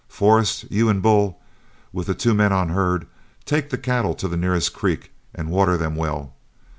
Forrest, you and Bull, with the two men on herd, take the cattle to the nearest creek and water them well.